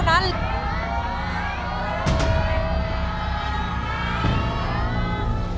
ฮาวะละพร้อม